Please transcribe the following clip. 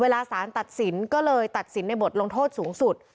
สารตัดสินก็เลยตัดสินในบทลงโทษสูงสุด